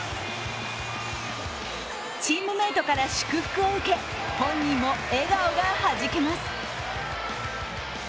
チームメートから祝福を受け、本人も笑顔がはじけます。